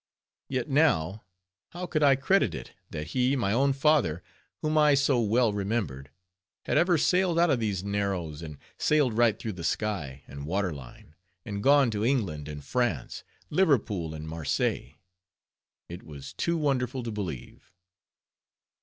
Yet now, how could I credit it, that he, my own father, whom I so well remembered; had ever sailed out of these Narrows, and sailed right through the sky and water line, and gone to England, and France, Liverpool, and Marseilles. It was too wonderful to believe.